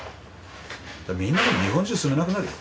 みんな日本中住めなくなるよ。